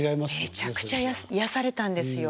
めちゃくちゃ癒やされたんですよ。